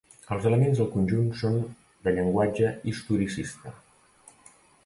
Els elements del conjunt son de llenguatge historicista.